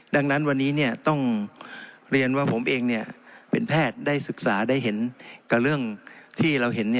ดังนั้นวันนี้ต้องเรียนว่าผมเองเป็นแพทย์ได้ศึกษาได้เห็นกับเรื่องที่เราเห็น